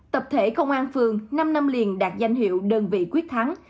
tập thể công an phường năm năm liền đạt danh hiệu đơn vị quyết thắng